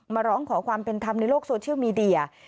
มาร้องขอความเป็นธรรมในโลกโซเชียลมีเดีย